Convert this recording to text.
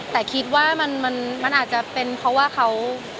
แต่คิดว่ามันอาจจะเป็นเพราะว่าเขา